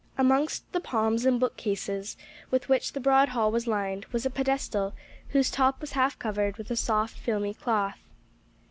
Amongst the palms and bookcases, with which the broad hall was lined, was a pedestal, whose top was half covered with a soft, filmy cloth.